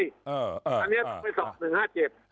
อันนี้ต้องไปสอบ๑๕๗